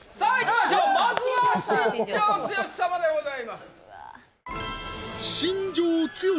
まずは新庄剛志様でございます新庄剛志